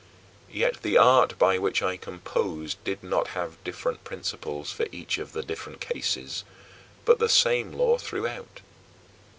Yet the art by which I composed did not have different principles for each of these different cases, but the same law throughout.